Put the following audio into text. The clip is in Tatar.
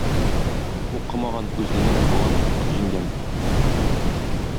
Укымаган күзлене укыган сукыр җиңгән.